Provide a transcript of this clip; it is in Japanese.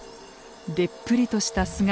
でっぷりとした姿。